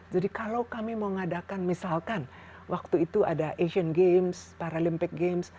jadi kalau kami mau mengadakan misalkan waktu itu ada asian games paralympic games